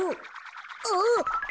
あっ！